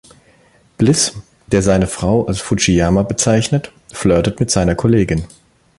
Bliss, der seine Frau als "Fujiyama" bezeichnet, flirtet mit seiner Kollegin.